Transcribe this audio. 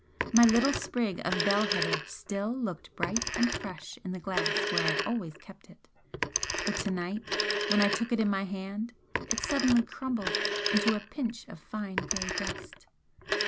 My little sprig of bell heather still looked bright and fresh in the glass where I always kept it but to night when I took it in my hand it suddenly crumbled into a pinch of fine grey dust.